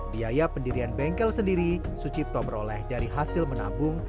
biaya pendirian bengkel sendiri sucipto peroleh dari hasil menabung